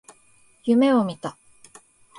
夢を見た。